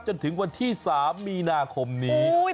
จนถึงวันที่๓มีนาคมนี้